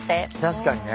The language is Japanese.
確かにね。